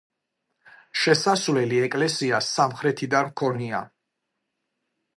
შესასვლელი ეკლესიას სამხრეთიდან ჰქონია.